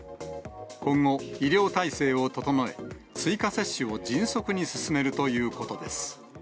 今後、医療体制を整え、追加接種を迅速に進めるということです。